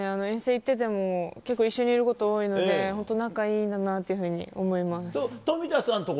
遠征行ってても、結構一緒にいること多いので、本当、仲いいんだなっていうふう冨田さん